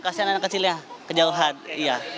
kasian anak kecilnya kejauhan iya